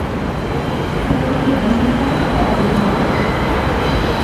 Recollemos un caso paradigmático.